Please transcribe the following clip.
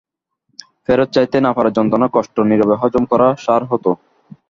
ফেরত চাইতে না পারার যন্ত্রণা কষ্ট নীরবে হজম করাই সার হতো।